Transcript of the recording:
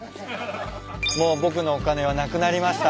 もう僕のお金はなくなりました。